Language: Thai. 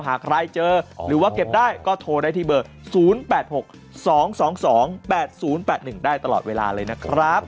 หากใครเจอหรือว่าเก็บได้ก็โทรได้ที่เบอร์๐๘๖๒๒๒๘๐๘๑ได้ตลอดเวลาเลยนะครับ